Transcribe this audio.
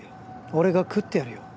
俺が喰ってやるよ